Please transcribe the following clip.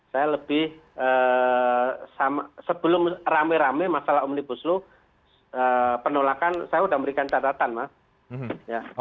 saya lebih sebelum rame rame masalah omnibus law penolakan saya sudah memberikan catatan mas